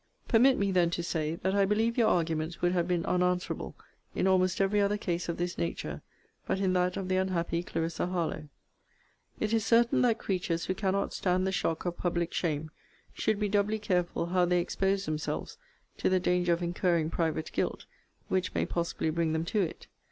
Permit me, then, to say, That I believe your arguments would have been unanswerable in almost every other case of this nature, but in that of the unhappy Clarissa Harlowe. It is certain that creatures who cannot stand the shock of public shame, should be doubly careful how they expose themselves to the danger of incurring private guilt, which may possibly bring them to it.